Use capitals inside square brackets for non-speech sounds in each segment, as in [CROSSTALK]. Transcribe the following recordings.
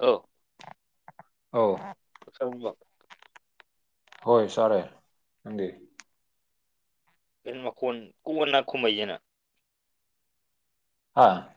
ꯑ ꯑ ꯁꯔ ꯍꯣꯏ ꯁꯔꯦ ꯃꯗꯤꯔ ꯀ ꯃꯈꯀꯣꯟ ꯀꯣꯟꯅ ꯀꯨꯝꯍꯩꯁꯤꯅ ꯑ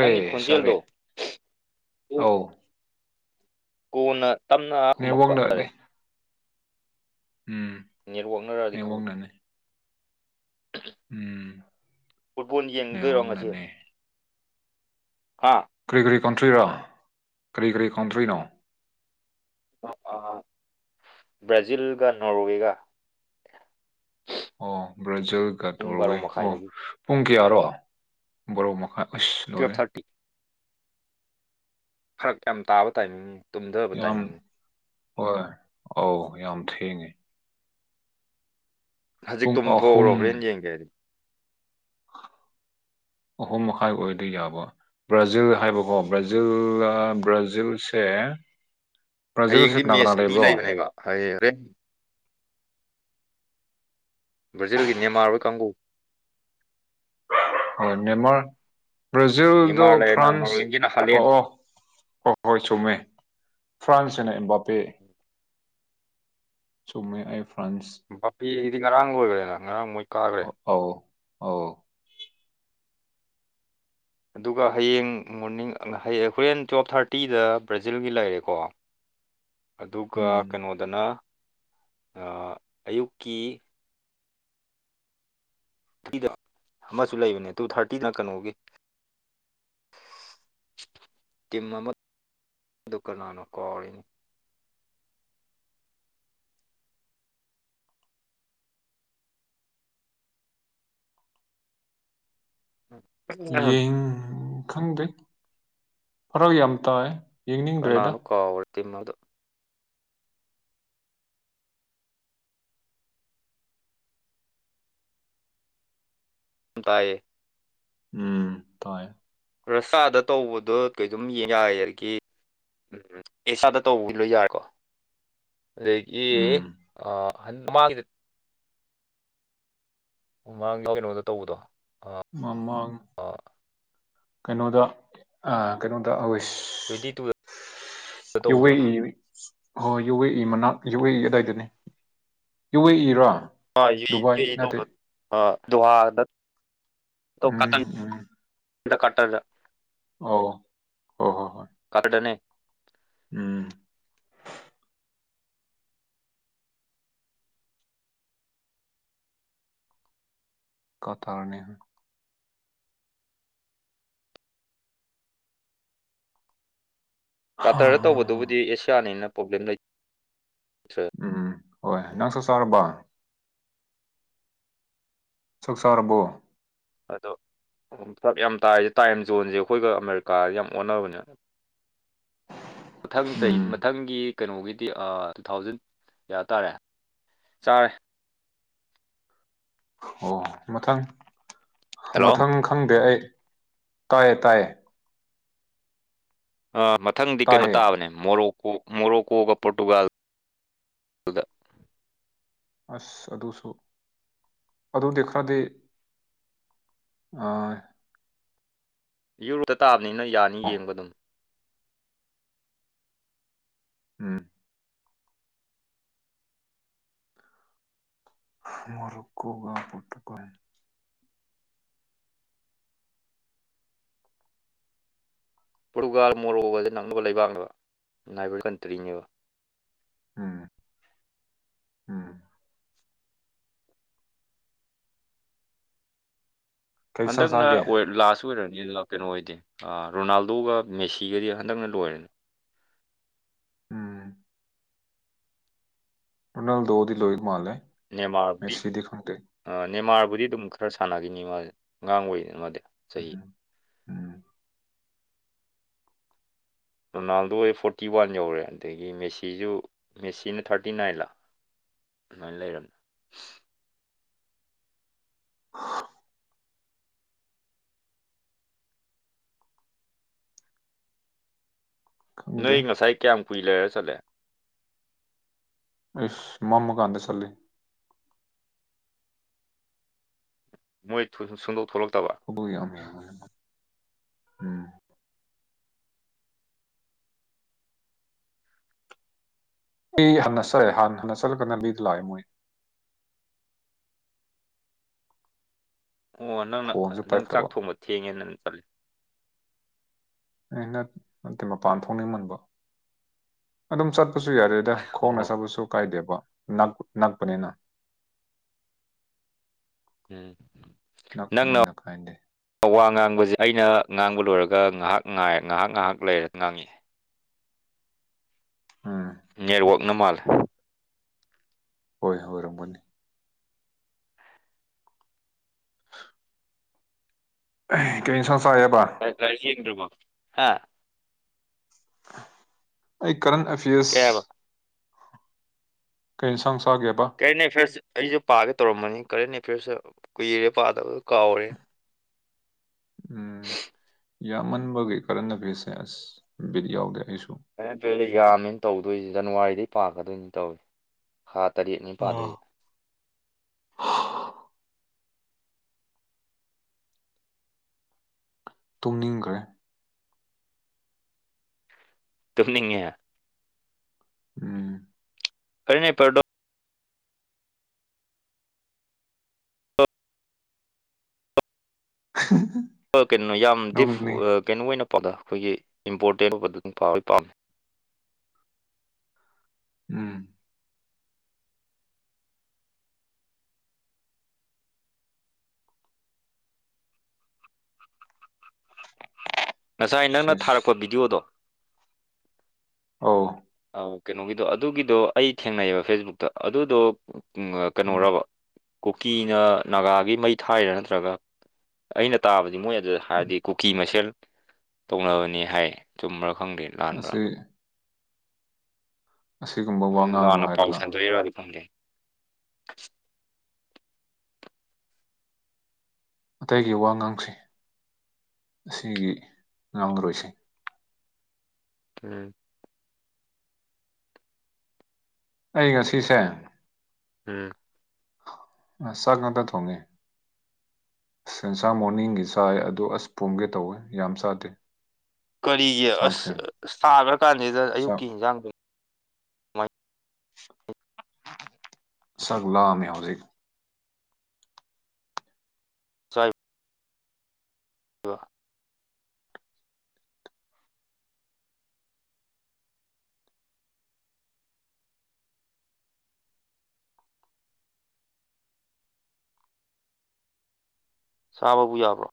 ꯅꯪꯒꯤ ꯁꯥꯔꯦ ꯈꯣꯟꯖꯦꯜꯗꯣ ꯑ ꯀꯣꯟꯅ ꯇꯝꯅ ꯈꯨꯝꯃꯛꯄ ꯍꯥꯏꯇꯥꯔꯦ ꯅꯦꯠꯋꯥꯛꯅꯅꯦ ꯎꯝ ꯅꯦꯠꯋꯥꯛꯅꯔꯛꯑꯗꯤ ꯈꯪꯗꯦ ꯅꯦꯠꯋꯥꯛꯅꯅꯦ ꯎꯝ ꯐꯨꯠꯕꯣꯜ ꯌꯦꯡꯗꯣꯏꯔꯣ ꯉꯁꯤ ꯅꯅꯦ ꯍꯥ ꯀꯔꯤ ꯀꯔꯤ ꯀꯟꯇ꯭ꯔꯤꯔ ꯀꯔꯤ ꯀꯔꯤ ꯀꯟꯇ꯭ꯔꯤꯅꯣ ꯕ꯭ꯔꯥꯖꯤꯜꯒ ꯅꯣꯔꯋꯦꯒ ꯑꯣ ꯕ꯭ꯔꯥꯖꯤꯜꯒ ꯄꯨꯡ ꯕꯥꯔꯣ ꯇꯣꯔꯋꯦ ꯑꯣ ꯃꯈꯥꯏꯗꯒꯤ ꯄꯨꯡ ꯀꯌꯥꯔꯣ ꯕꯣꯔꯣꯛ ꯃꯈꯥꯏ ꯑꯁ ꯇꯨꯌꯦꯜꯞ ꯂꯔꯦ ꯊꯥꯔꯇꯤ ꯐꯔꯛ ꯌꯥꯝ ꯇꯥꯕ ꯇꯥꯏꯃꯤꯡ ꯇꯨꯝꯊꯕ ꯌꯥꯝ ꯇꯥꯏꯃꯤꯡꯅꯤ ꯍꯣꯏ ꯑꯧ ꯌꯥꯝ ꯊꯦꯡꯉꯤ ꯍꯧꯖꯤꯛ ꯑꯍꯨꯝ ꯇꯨꯝꯊꯣꯛꯎ꯭ꯔꯣ ꯍꯣꯔꯦꯟ ꯌꯦꯡꯒꯦ ꯍꯥꯏꯗꯤ ꯑꯍꯨꯝ ꯃꯈꯥꯏ ꯑꯣꯏꯕ ꯌꯥꯕ ꯕ꯭ꯔꯥꯖꯤꯜ ꯍꯥꯏꯕꯀꯣ ꯕ꯭ꯔꯥꯖꯤꯜ ꯕ꯭ꯔꯥꯖꯤꯜ ꯆ ꯍꯌꯦꯡꯗꯤ ꯃꯦꯠꯁ ꯑꯗꯨ ꯂꯩꯕꯅꯦꯕ ꯍ ꯭ꯔꯥꯖꯤꯜꯒꯤꯅꯦ ꯃꯥꯔꯕ ꯀꯪꯒꯨ ꯑ ꯅꯦꯃꯔ ꯕ꯭ꯔꯥꯖꯤꯜꯗꯣ ꯅꯦꯃꯥꯔ ꯂꯩꯔꯦꯅ ꯐ꯭ꯔꯥꯟꯁ ꯅꯣꯔꯋꯦꯒꯤꯅ ꯑꯣ ꯍꯥꯂꯦꯟ ꯑꯣ ꯍ ꯍꯣꯏ ꯆꯨꯝꯃꯦ ꯐ꯭ꯔꯥꯟꯁ ꯍꯥꯏꯅ ꯑꯦꯝꯕꯥꯄꯦ ꯁꯣ ꯃ ꯑꯥꯏꯐ ꯕꯥꯄꯤꯗꯤ ꯉꯔꯥꯡ ꯂꯣꯏꯈ꯭ꯔꯦꯅ ꯉꯔꯥꯡ ꯃꯣꯏ ꯀꯥꯈ꯭ꯔꯦ ꯑ ꯑꯗꯨꯒ ꯍꯌꯦꯡ ꯃꯣꯔꯅꯤꯡꯡ ꯍꯣꯔꯦꯟ ꯇꯨꯌꯦꯜꯞ ꯊꯥꯔꯇꯤꯗ ꯕ꯭ꯔꯥꯖꯤꯜꯒꯤ ꯂꯩꯔꯦꯀꯣ [UNINTELLIGIBLE] ꯑꯗꯨꯒ ꯎꯝ ꯀꯩꯅꯣꯗꯅ ꯑꯌꯨꯛꯀꯤ ꯇꯤꯗ ꯑꯃꯁꯨ ꯂꯩꯕꯅꯦ ꯇꯨ ꯊꯥꯔꯇꯤꯅ ꯀꯩꯅꯣꯒꯤ ꯀꯃ ꯑꯃꯗꯨꯀꯅꯥꯅ ꯀꯣꯅꯤ ꯌꯦꯤꯡ ꯈꯪꯗꯦ ꯐꯔꯛ ꯌꯥꯝ ꯇꯥꯏ ꯌꯦꯡꯅꯤꯡꯗ꯭ꯔꯦꯗ ꯀꯅꯥꯅ ꯀꯕ ꯇꯃ ꯑꯗꯨ ꯇꯥꯏꯌꯦ ꯎꯝ ꯇꯥꯏ ꯔꯁꯥꯗ ꯇꯧꯕꯗꯣ ꯀꯩꯗꯨꯝ ꯌꯦꯡ ꯌꯥꯔꯒꯦ ꯎꯝ ꯏꯁꯥꯗ ꯇꯧꯕ ꯂꯣꯏ ꯌꯥꯔꯦꯀꯣ ꯑꯗꯒꯤ ꯎꯝ ꯑ ꯎꯃꯥꯡꯗ ꯀꯩꯅꯣꯗ ꯇꯧꯕꯗꯣ ꯃꯃꯥꯡ ꯑꯥ ꯀꯩꯅꯣꯗ ꯀꯩꯅꯣꯗ ꯍꯧꯋꯦꯁ ꯇ꯭ꯋꯦꯟꯇꯤ ꯇꯨꯗ ꯌꯨꯋꯦ ꯇꯧꯕꯗꯣ ꯏ ꯍ ꯌꯨꯋꯦ ꯏ ꯃꯅꯥ ꯌꯣꯛꯋꯏ ꯑꯗꯥꯏꯗꯅꯤ ꯌꯣꯛꯋꯦ ꯏꯔꯣ ꯑ ꯗꯨꯕꯥꯏ ꯅꯠꯇꯦ ꯇ ꯑ ꯑꯗꯨꯍꯥꯗ ꯎꯝ ꯎꯝ ꯏ ꯀꯇꯔꯗ ꯑ ꯀꯇꯔꯗꯅꯦ ꯎꯝ ꯀ ꯊꯔꯅꯦꯍ ꯀꯇꯔꯗ ꯍꯥ ꯇꯧꯕꯗꯨꯕꯨꯗꯤ ꯑꯦꯁꯤꯌꯥꯅꯦꯅ ꯄ꯭ꯔꯣꯕ꯭ꯂꯦꯝ ꯂꯩ ꯎꯝ ꯍꯣꯏ ꯅꯪ ꯆ ꯆꯥꯔꯕ ꯁꯛꯁꯥꯔꯔꯕꯣ ꯑꯗꯣ ꯁꯛ ꯌꯥꯝ ꯇꯥꯏꯁꯦ ꯇꯥꯏꯝ ꯖꯣꯟꯁꯦ ꯑꯩꯈꯣꯏꯒ ꯑꯃꯦꯔꯤꯀꯥꯗ ꯌꯥꯝ ꯑꯣꯟꯅꯕꯅꯦ ꯃꯊꯪ ꯆꯩ ꯎꯝ ꯃꯊꯪꯒꯤ ꯀꯩꯅꯣꯒꯤꯗꯤ ꯇꯨ ꯊꯥꯎꯖꯟ ꯌꯥ ꯇꯥꯔꯦ ꯆꯥꯔꯦ ꯑꯣ ꯃꯊꯪ ꯍꯜꯂꯣ ꯃꯊꯪ ꯈꯪꯗꯦ ꯑꯩ ꯇꯌꯦ ꯇꯌꯦ ꯑ ꯃꯊꯪꯗꯤ ꯀꯩꯅꯣ ꯇꯥꯏꯌꯦ ꯇꯥꯕꯅꯦ ꯃꯣꯔꯣꯛ ꯃꯔꯣ ꯀꯒ ꯄꯒꯒ ꯑꯁ ꯑꯗꯨꯁꯨ ꯑꯗꯨ ꯗꯈ꯭ꯔꯗꯤ ꯑ ꯌꯨꯔꯣꯞꯇ ꯇꯥꯕꯅꯤꯅ ꯌꯥꯅꯤ ꯑꯣ ꯌꯦꯡꯕ ꯑꯗꯨꯝ ꯎꯝ ꯃ ꯀꯒ ꯄꯨꯠꯀ ꯄꯣꯔꯇꯨꯒꯥꯜ ꯃꯣꯔꯣꯒꯁꯦ ꯅꯛꯅꯕ ꯂꯩꯕꯥꯛꯅꯦꯕ ꯅꯥꯏꯕꯔ ꯀꯟꯇ꯭ꯔꯤꯅꯦꯕ ꯎꯝ ꯎꯝ ꯀꯩ ꯏꯟꯁꯥꯡ ꯍꯟꯗꯛꯅ ꯆꯥꯒꯦ ꯂꯥꯁ ꯂꯣꯏꯔꯅꯤꯅ ꯀꯩꯅꯣ ꯑꯣꯏꯗꯦꯥ ꯔꯣꯅꯥꯜꯗꯣꯒ ꯃꯦꯁꯤꯒꯗꯤ ꯍꯟꯗꯛꯅ ꯂꯣꯏꯔꯦꯅꯦ ꯎꯝ ꯔꯣꯅꯥꯜꯗꯣꯗꯤ ꯂꯣꯕꯥ ꯃꯥꯂꯦ ꯅꯦꯃꯥꯔꯕꯨꯗꯤ ꯅꯦꯃꯥꯔꯕꯨꯗꯤ ꯑꯗꯨꯝ ꯈꯔ ꯁꯥꯟꯅꯈꯤꯅꯤ ꯃꯥ ꯑꯉꯥꯡꯕꯗꯅ ꯃꯥꯗꯤ ꯆꯍꯤ ꯎꯝ ꯎꯝ [INAUDIBLE] ꯔꯣꯅꯥꯜꯗꯣ ꯑꯣꯏ ꯐꯣꯔꯇꯤ ꯋꯥꯟ ꯌꯧꯔꯦ ꯑꯗꯒꯤ ꯃꯦꯁꯤꯁꯨ ꯃꯦꯁꯤꯅ ꯊꯥꯔꯇꯤ ꯅꯥꯏꯟꯂꯥ ꯑꯗꯨꯃꯥꯏꯅ ꯂꯩꯔꯕꯅꯦ ꯑ [INAUDIBLE] ꯈꯪꯗꯦ ꯅꯣꯏ ꯉꯁꯥꯏ ꯀꯌꯥꯝ ꯀꯨꯏ ꯂꯩꯦꯔ ꯆꯠꯂꯦ ꯏꯁ ꯃꯣꯃꯨꯒꯥꯟꯗ ꯆꯠꯂꯦ ꯃꯣꯏ ꯁꯟꯗꯧ ꯊꯣꯂꯛꯇꯦ ꯍ ꯎꯝ [UNINTELLIGIBLE] ꯑꯩ ꯍꯟꯅ ꯆꯠꯂꯦ ꯍꯥꯟꯅ ꯍꯟꯅ ꯆꯠꯂꯀꯥꯟꯗ ꯃꯤꯗ ꯂꯥꯛꯑꯦ ꯃꯣꯏ ꯑꯣ ꯅꯪꯅ ꯐꯣꯟꯁꯨ ꯅꯪ ꯆꯥꯛ ꯄꯥꯏꯈꯠꯇꯕ ꯊꯣꯡꯕ ꯊꯦꯡꯉꯦ ꯅꯪ ꯆꯠꯂ ꯑꯩꯅ ꯅꯠꯇꯗꯤ ꯃꯄꯥꯟ ꯊꯣꯛꯣꯡꯅꯤꯡꯃꯟꯕ ꯑꯗꯨꯝ ꯆꯠ ꯆꯠꯄꯁꯨ ꯌꯥꯗꯦꯗ ꯈꯣꯡꯅ ꯑꯣ ꯆꯕꯁꯨ ꯀꯥꯏꯗꯦꯕ ꯅꯛ ꯅꯛꯄꯅꯤꯅꯥ ꯎꯝ ꯅꯈꯄꯅꯦ ꯅꯪꯅ ꯅꯈꯥꯏꯗꯦ ꯋꯥ ꯉꯥꯡꯕꯁꯦ ꯑꯩꯅ ꯉꯥꯡꯕ ꯂꯣꯏꯔꯒ ꯉꯥꯏꯍꯥꯛ ꯉꯥꯏ ꯉꯥꯏꯍꯥꯛ ꯉꯥꯏꯍꯥꯛ ꯂꯩꯔ ꯉꯥꯡꯉꯤ ꯍꯨꯝ ꯅꯦꯠꯋꯥꯛꯅ ꯃꯥꯜꯂꯦ ꯍꯣꯏ ꯑꯣꯏꯔꯝꯒꯅꯤ ꯀꯩꯁꯁꯥꯏꯕ ꯕꯣ ꯍꯥ [UNINTELLIGIBLE] ꯑꯩ ꯀꯔꯟ ꯀꯩ ꯑꯦꯐꯤꯌꯔꯁ ꯍꯥꯏꯕ ꯀꯩ ꯁꯪꯁ ꯀꯔꯤꯅꯦ ꯐꯔꯁ ꯑꯩꯁꯨ ꯄꯥꯒꯦ ꯇꯧꯔꯝꯕꯅꯤ꯫ ꯀꯔꯦꯟ ꯑꯦꯐꯤꯌꯔꯁꯦ ꯀꯨꯏꯔꯦ ꯄꯥꯗꯕ ꯀꯥꯎꯔꯦ ꯎꯝ ꯌꯥꯝꯃꯟꯕꯒꯤ ꯀꯔꯅ ꯕꯤꯠꯁꯦ ꯑꯁ ꯕꯤꯠ ꯌꯥꯎꯗꯦ ꯑꯩꯁꯨ ꯍ [UNINTELLIGIBLE] ꯦꯂꯤꯖꯃꯤꯅ ꯇꯧꯗꯣꯏꯁꯤ ꯖꯅꯋꯥꯔꯤꯗꯩ ꯄꯥꯛꯀꯗꯣꯏꯅꯤ ꯇꯧꯔꯤ ꯊꯥ ꯇꯔꯦꯠ ꯑꯥ ꯅꯤꯄꯥꯗꯣꯏꯁꯦ ꯇꯣꯡꯅꯤꯡꯈ꯭ꯔꯦ ꯇꯝꯅꯤꯡꯉꯦ ꯎꯝ ꯀꯔꯤꯅꯦ ꯑꯄꯔꯗꯣ [UNINTELLIGIBLE] [UNINTELLIGIBLE] ꯀꯩꯅꯣ ꯌꯥꯝ ꯗꯤꯐ ꯅꯣꯡꯅꯤ ꯀꯩꯅꯣ ꯑꯣꯏꯅ ꯗ ꯑꯩꯈꯣꯏꯒꯤ ꯏꯝꯄꯣꯔꯇꯦꯟ ꯑꯣꯏꯕꯗꯨ ꯄꯕ ꯄꯥꯝꯃꯤ ꯎꯝ ꯉꯁꯥꯏ ꯅꯪꯅ ꯁꯤꯁ ꯊꯥꯔꯛꯄ ꯚꯤꯗꯤꯑꯣꯗꯣ ꯑꯣ ꯑꯣ ꯀꯩꯅꯣꯒꯤꯗꯣ ꯑꯗꯨꯒꯤꯗꯣ ꯑꯩ ꯊꯦꯡꯅꯩꯌꯦꯕ ꯐꯦꯁꯕꯨꯛꯇ ꯑꯗꯨꯗꯣ ꯎꯝ ꯀꯩꯅꯣꯔꯕ ꯀꯨꯀꯤꯅ ꯅꯥꯒꯥꯒꯤ ꯃꯩ ꯊꯥꯏꯔꯥ ꯅꯠꯇ꯭ꯔꯒ ꯑꯩꯅ ꯇꯥꯕꯗꯤ ꯃꯣꯏ ꯑꯗꯨ ꯍꯥꯏꯗꯤ ꯀꯨꯀꯤ ꯃꯁꯦꯜ ꯇꯧꯅꯕꯅꯤ ꯍꯥꯏ ꯆꯨꯝꯕꯔꯥ ꯈꯪꯗꯦ ꯂꯥꯟꯕ꯭ꯔꯥ ꯑꯁꯤ ꯑꯁꯤꯒꯨꯝꯕ ꯃꯣꯏ ꯋꯥ ꯉꯥꯡꯅꯨ ꯂꯥꯟꯅ ꯄꯥꯎ ꯍꯥꯏꯔꯒ ꯁꯟꯗꯣꯛꯏꯔꯣ ꯑꯗꯨ ꯈꯪꯗꯦ꯫ ꯑꯇꯩꯒꯤ ꯋꯥ ꯉꯥꯡꯁꯤ ꯑꯁꯤꯒꯤ ꯉꯥꯡꯂꯔꯣꯏꯁꯤ ꯎꯝ ꯑꯩ ꯉꯁꯤꯁꯦ ꯎꯝ ꯁꯥ ꯉꯥꯗ ꯊꯣꯡꯉꯦ ꯁꯟꯁꯥ ꯃꯣꯔꯅꯤꯡꯒꯤ ꯆꯥꯏ ꯑꯗꯨ ꯑꯁ ꯄꯨꯝꯒꯦ ꯇꯧꯋꯦ ꯌꯥꯝ ꯆꯥꯗꯦ ꯀꯔꯤꯒꯤ ꯆꯥꯛꯁꯦ ꯑꯁ ꯁꯥꯒ꯭ꯔ ꯀꯥꯟꯖꯤꯗ ꯆꯥꯛ ꯑꯌꯨꯛꯀꯤ ꯏꯟꯖꯥꯡꯗꯣ ꯀꯃꯥꯏꯅ ꯆꯥꯛ ꯂꯥꯝꯃꯦ ꯍꯧꯖꯤꯛ ꯁꯥꯏ ꯑꯌꯨꯛ ꯑꯗꯨ ꯆꯥꯕꯕꯨ ꯌꯥꯕ꯭ꯔꯣ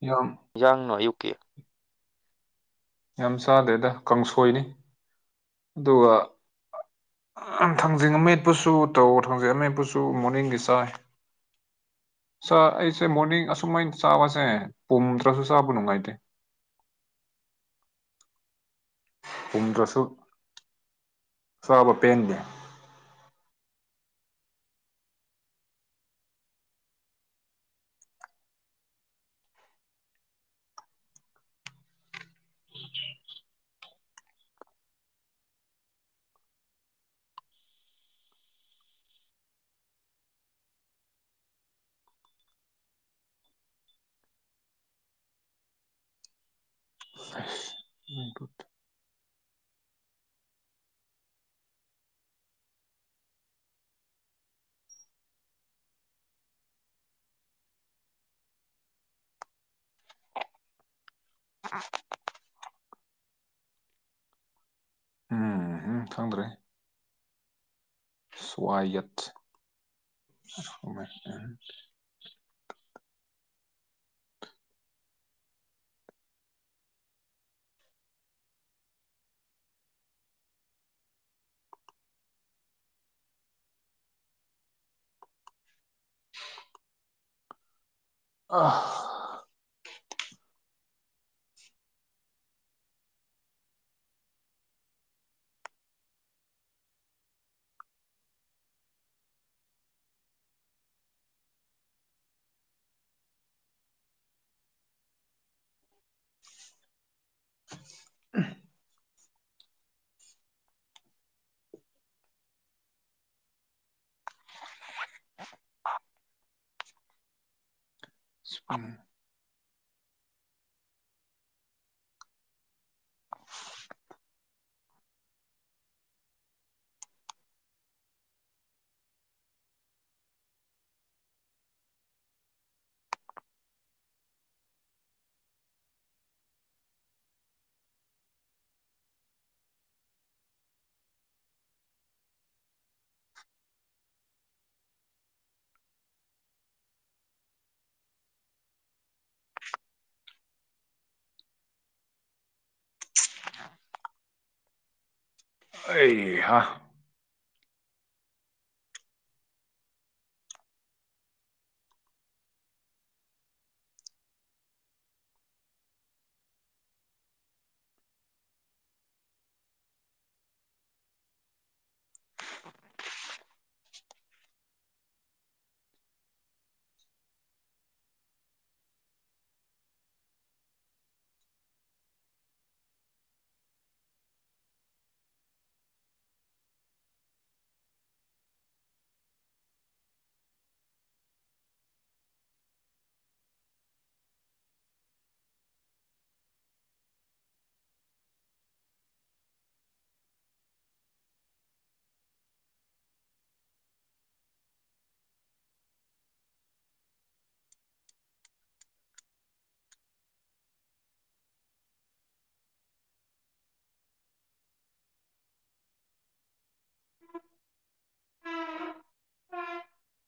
ꯌꯥꯝ ꯏꯟꯖꯥꯡꯅꯣ ꯑꯌꯨꯛꯀꯤ ꯌꯥꯝ ꯆꯥꯗꯦꯗ ꯀꯥꯡꯁꯣꯏꯅꯤ ꯑꯗꯨꯒ ꯑꯝ ꯊꯥꯡꯖꯤꯡ ꯑꯃꯦꯠꯄꯁꯨ ꯇꯧ ꯊꯥꯡꯖꯤꯡ ꯑꯃꯦꯠꯄꯁꯨ ꯃꯣꯔꯅꯤꯡꯒꯤ ꯆꯥꯏ ꯁꯥ ꯑꯩꯁꯦ ꯃꯣꯔꯅꯤꯡ ꯑꯁꯨꯨꯝꯃꯥꯏꯅ ꯆꯥꯕꯁꯦ ꯄꯨꯝꯗ꯭ꯔꯁꯨ ꯆꯥꯕ ꯅꯨꯡꯉꯥꯏꯇꯦ [INAUDIBLE] ꯄꯨꯝꯗ꯭ꯔꯁꯨ ꯆꯥꯕ ꯄꯦꯟꯗꯦ ꯎꯝ ꯎꯝ ꯈꯪꯗ꯭ꯔꯦ ꯁꯋꯥꯏꯌꯦꯠ [UNINTELLIGIBLE] ꯑꯍꯍ ꯑꯝ ꯑꯩ ꯍꯥ [UNINTELLIGIBLE]